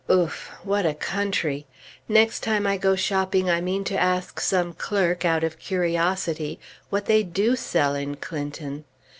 Ouf! what a country! Next time I go shopping, I mean to ask some clerk, out of curiosity, what they do sell in Clinton.